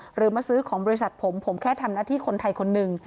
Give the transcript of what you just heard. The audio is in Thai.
หรือมาซื้อของบริษัทผมผมแค่ทำหน้าที่คนไทยคนหนึ่ง